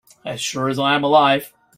As sure as I am alive.